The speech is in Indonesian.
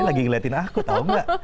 lagi ngeliatin aku tau gak